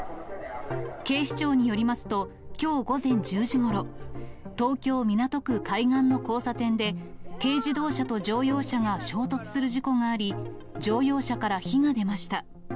警視庁によりますと、きょう午前１０時ごろ、東京・港区海岸の交差点で、軽自動車と乗用車が衝突する事故があり、乗用車から火が出ました。